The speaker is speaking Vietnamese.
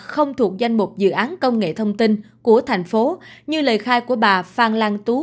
không thuộc danh mục dự án công nghệ thông tin của thành phố như lời khai của bà phan lan tú